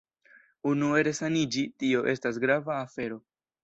Unue resaniĝi, tio estas grava afero.